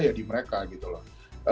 ya di mereka gitu loh